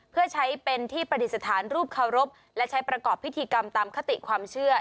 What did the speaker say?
เพื่อใช้เป็นที่ประดิษฐานรูปเคารพและใช้ประกอบพิธีกรรมตามคติความเชื่อ